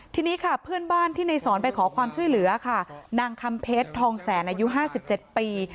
ทีนี้ค่ะเพื่อนบ้านที่ในสอนไปขอความช่วยเหลือค่ะนางคำเพชรทองแสนอายุ๕๗ปี